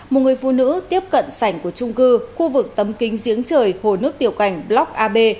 một người phụ nữ tiếp cận sảnh của trung cư khu vực tấm kính giếng trời hồ nước tiểu cảnh block a b